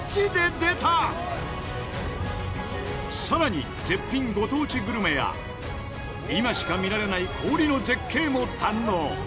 さらに絶品ご当地グルメや今しか見られない氷の絶景も堪能！